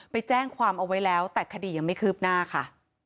ไปแจ้งความเอาไว้แล้วแต่คดียังไม่คืบหน้าค่ะ